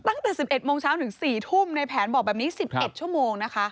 ตั้งแต่๑๑โมงเช้าถึง๔ทุ่มในแผนบอกแบบนี้๑๑ชั่วโมงนะคะ